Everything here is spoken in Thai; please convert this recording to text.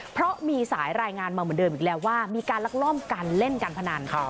เพราะมีสายรายงานมาเหมือนเดิมอีกแล้วว่ามีการลักลอบการเล่นการพนัน